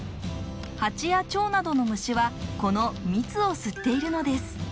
蜂やチョウなどのむしはこの蜜を吸っているのです。